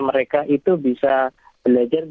mereka itu bisa belajar